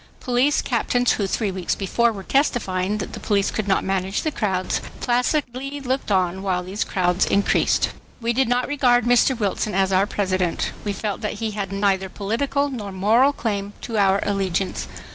Police captains who three weeks before were testifying that the police could not manage the crowds, placidly looked on while these new crowds increased. We did not regard Mr. Wilson as our President. We felt that he had neither political nor moral claim to our allegiance.